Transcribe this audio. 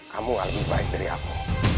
kamu gak lebih baik dari aku